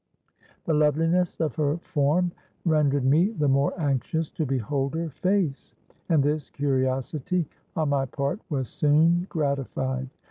The loveliness of her form rendered me the more anxious to behold her face; and this curiosity on my part was soon gratified.